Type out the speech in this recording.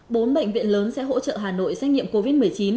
bốn bệnh viện lớn sẽ hỗ trợ hà nội xét nghiệm covid một mươi chín